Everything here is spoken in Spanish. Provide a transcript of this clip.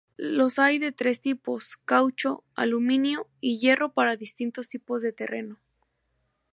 Los hay de tres tipos: caucho, aluminio y hierro para distintos tipos de terreno.